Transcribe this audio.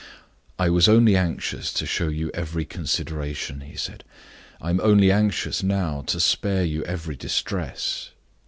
"I was only anxious to show you every consideration," he said. "I am only anxious now to spare you every distress."